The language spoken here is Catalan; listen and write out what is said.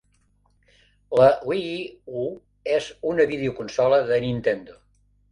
La Wii U és una videoconsola de Nintendo.